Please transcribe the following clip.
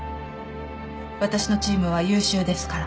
私のチームは優秀ですから。